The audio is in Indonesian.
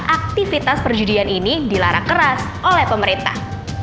aktivitas perjudian ini dilarang keras oleh pemerintah